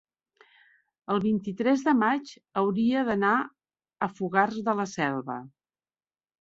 el vint-i-tres de maig hauria d'anar a Fogars de la Selva.